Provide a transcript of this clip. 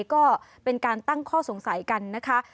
ก็เป็นการตั้งข้อสงสัยกันนะคะ